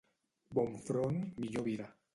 Bon front, millor vida.